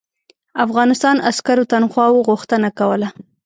افغانستان عسکرو تنخواوو غوښتنه کوله.